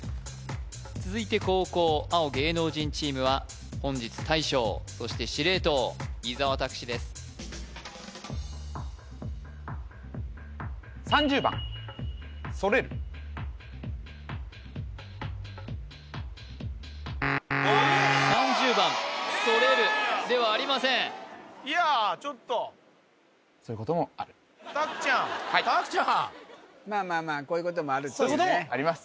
続いて後攻青芸能人チームは本日大将そして司令塔伊沢拓司です３０番それるではありませんいやちょっとそういうこともある・拓ちゃん拓ちゃんまあまあまあこういうこともあるっていうねこういうこともあります